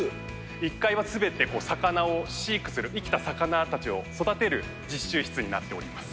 １階はすべて魚を飼育する、生きた魚たちを育てる実習室になっております。